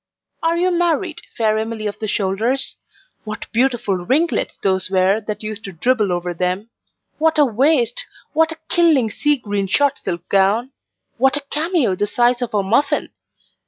Are you married, fair Emily of the shoulders? What beautiful ringlets those were that used to dribble over them! what a waist! what a killing sea green shot silk gown! what a cameo, the size of a muffin!